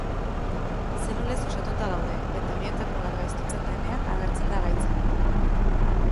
Zelulez osatuta gaude eta horietako bat gaiztotzen denean agertzen da gaitza.